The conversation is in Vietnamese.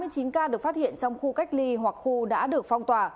chín mươi chín ca được phát hiện trong khu cách ly hoặc khu đã được phong tỏa